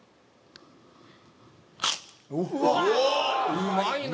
うまいな。